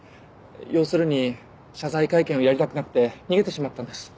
要するに謝罪会見をやりたくなくて逃げてしまったんです。